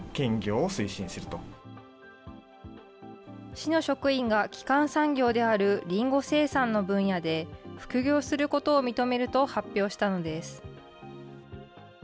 市の職員が基幹産業であるりんご生産の分野で、副業することを認めると発表したのです。